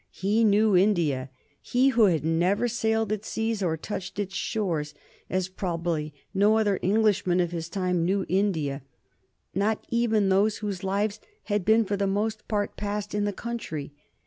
He knew India he who had never sailed its seas or touched its shores as probably no other Englishmen of his time knew India, not even those whose lives had been for the most part passed in the country.